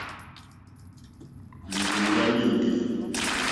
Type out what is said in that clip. Lìrzòŋɡá líŋɡî.